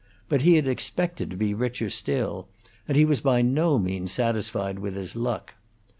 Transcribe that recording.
But he had expected to be richer still, and he was by no means satisfied with his luck.